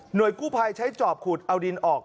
โดยกู้ภัยใช้จอบขุดเอาดินออก